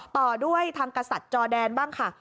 ต่อด้วยทางกษัตริย์จอแดนบ้างค่ะ